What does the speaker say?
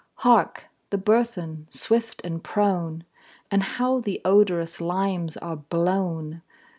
Hark! the burthen, swift and prone! And how the odorous limes are blown!